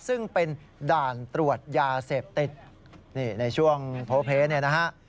ซึ่งเป็นด่านตรวจยาเสพติดนี่ในช่วงโพเพเนี่ยนะฮะ